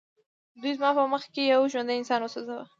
دوی زما په مخ کې یو ژوندی انسان وسوځاوه